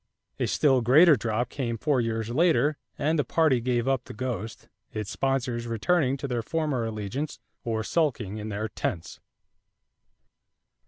A still greater drop came four years later and the party gave up the ghost, its sponsors returning to their former allegiance or sulking in their tents.